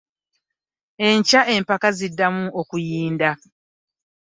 Enkya empaka ziddamu okuyinda.